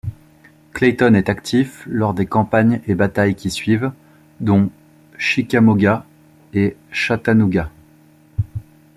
Clayton est actif lors des campagnes et batailles qui suivent, dont Chickamauga et Chattanooga.